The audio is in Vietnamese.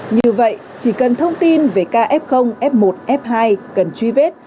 như vậy chỉ cần thông tin về kf f f một f hai cần truy vết